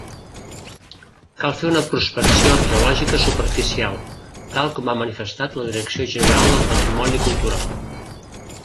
Cal fer una prospecció arqueològica superficial, tal com ha manifestat la Direcció General de Patrimoni Cultural.